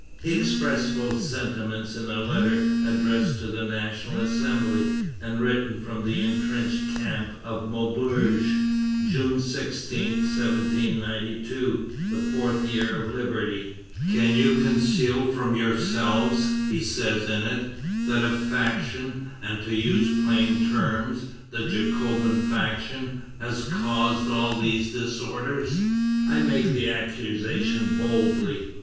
He expresses both sentiments in a letter addressed to the National Assembly, and written from the intrenched camp of Maubeuge, June 16, 1792, the Fourth Year of Liberty: "Can you conceal from yourselves," he says in it, "that a faction, and to use plain terms, the Jacobin faction, has caused all these disorders? I make the accusation boldly.